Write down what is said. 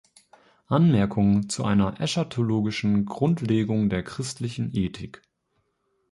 Anmerkungen zu einer eschatologischen Grundlegung der christlichen Ethik.